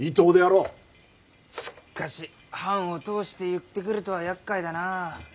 しかし藩を通して言ってくるとは厄介だな。